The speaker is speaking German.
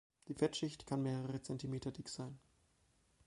Die Fettschicht kann mehrere Zentimeter dick sein.